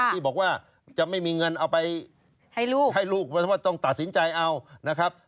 ที่บอกว่าจะไม่มีเงินเอาไปให้ลูกให้ลูกต้องตัดสินใจเอานะครับ